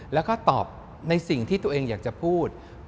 แล้วก็ตอบในสิ่งที่ตัวเองอยากจะพูด